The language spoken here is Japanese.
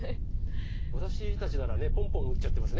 私たちならポンポン打っちゃってます